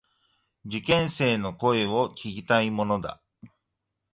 受験生の声を聞きたいものだ。